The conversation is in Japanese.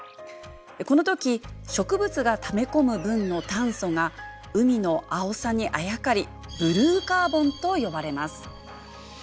このとき植物がため込む分の炭素が海の青さにあやかり「ブルーカーボン」と呼ばれます。